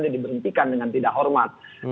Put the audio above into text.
dia diberhentikan dengan tidak hormat